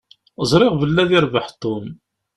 Ẓṛiɣ belli ad yerbeḥ Tom.